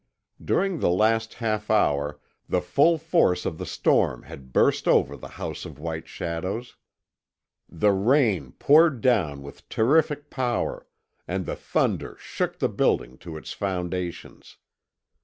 During the last half hour the full force of the storm had burst over the House of White Shadows. The rain poured down with terrific power, and the thunder shook the building to its foundations.